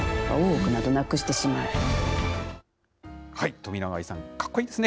冨永愛さん、かっこいいですね。